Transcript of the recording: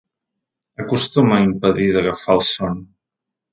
Acostuma a impedir d’agafar el son.